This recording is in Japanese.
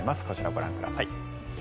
こちらをご覧ください。